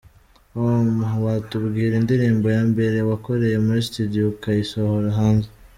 com : watubwira indirimbo ya mbere wakoreye muri studio ukayisohora hanze ?.